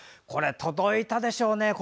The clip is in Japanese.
これは届いたでしょうね。